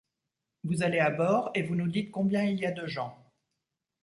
Vous allez à bord et vous nous dites combien il y a de gens.